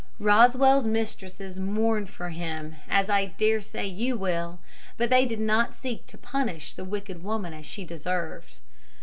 Rosswell's mistresses mourned for him, as I daresay you will; but they did not seek to punish the wicked woman as she deserved.